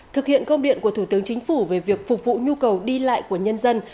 thực hiện công điện của thủ tướng chính phủ về việc phục vụ nhu cầu đi lại của nhân dân